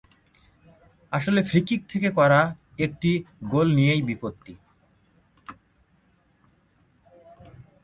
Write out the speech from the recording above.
আসলে ফ্রিকিক থেকে করা একটি গোল নিয়েই বিপত্তি।